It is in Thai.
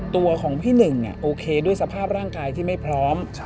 ตัวของพี่หนึ่งโอเคด้วยสภาพร่างกายที่ไม่พร้อม